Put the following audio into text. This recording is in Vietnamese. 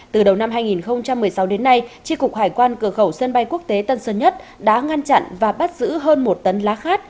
từ đầu năm hai nghìn một mươi sáu đến nay tri cục hải quan cửa khẩu sân bay quốc tế tân sơn nhất đã ngăn chặn và bắt giữ hơn một tấn lá khát